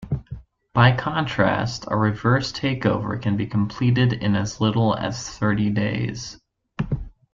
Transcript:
By contrast, a reverse takeover can be completed in as little as thirty days.